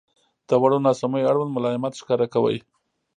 • د وړو ناسمیو اړوند ملایمت ښکاره کوئ.